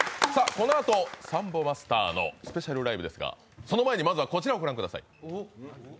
このあとサンボマスターのスペシャルライブですがその前にまずはこちらをご覧ください。